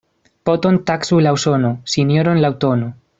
Poton taksu laŭ sono, sinjoron laŭ tono.